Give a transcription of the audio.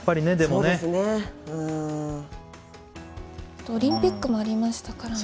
あとオリンピックもありましたからね。